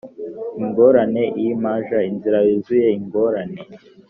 ingorane img inzira yuzuye ingorane